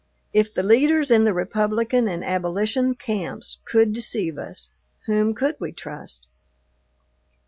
If the leaders in the Republican and abolition camps could deceive us, whom could we trust?